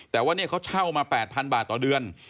แต่ว่าเนี่ยเขาเช่ามา๘๐๐๐บาทต่อเดือน